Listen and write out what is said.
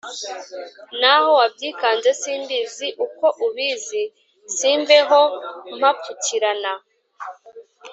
N’aho wabyikanze Si mbizi uko ubizi Simveho mpapfukirana,